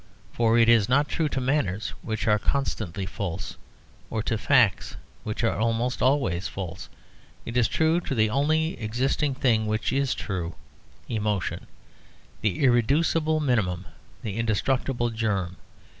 For it is not true to manners, which are constantly false, or to facts, which are almost always false; it is true to the only existing thing which is true, emotion, the irreducible minimum, the indestructible germ.